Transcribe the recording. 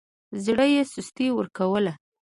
زړه يې سستي ورکوله.